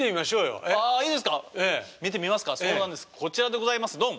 こちらでございます。